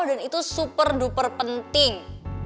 dan itu super duper penting